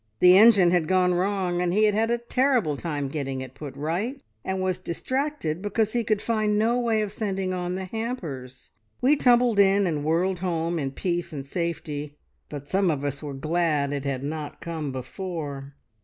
The engine had gone wrong, and he had had a terrible time getting it put right, and was distracted because he could find no way of sending on the hampers. We tumbled in and whirled home in peace and safety, but some of us were glad it had not come before.